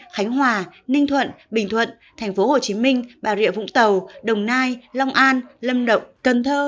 khánh hòa ninh thuận bình thuận tp hcm bà rịa vũng tàu đồng nai long an lâm động cần thơ